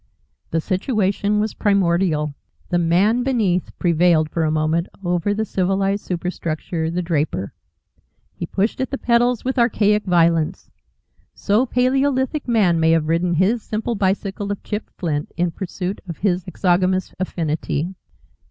The situation was primordial. The Man beneath prevailed for a moment over the civilised superstructure, the Draper. He pushed at the pedals with archaic violence. So Palaeolithic man may have ridden his simple bicycle of chipped flint in pursuit of his exogamous affinity.